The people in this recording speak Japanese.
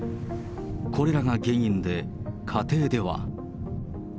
これらが原因で、家庭では。